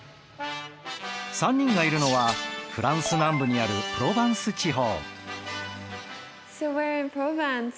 ３人がいるのはフランス南部にあるプロヴァンス地方。